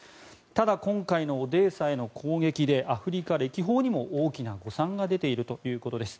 ただ今回のオデーサへの攻撃でアフリカ歴訪にも大きな誤算が出ているということです。